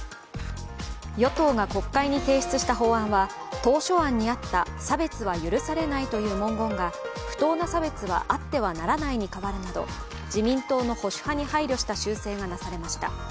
与党が国会に提出した法案は、当初案にあった「差別は許されない」という文言が「不当な差別はあってはならない」に変わるなど、自民党の保守派に配慮した修正がなされました。